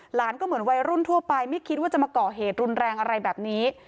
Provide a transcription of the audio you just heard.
หลานก็เหมือนวัยรุ่นทั่วไปไม่คิดว่าจะมาก่อเหตุรุนแรงอะไรแบบนี้